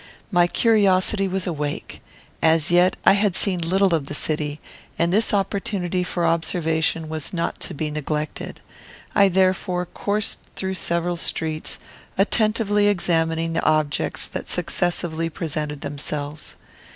My curiosity was awake. As yet I had seen little of the city, and this opportunity for observation was not to be neglected. I therefore coursed through several streets, attentively examining the objects that successively presented themselves.